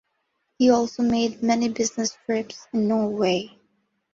He also made many business trips in Norway.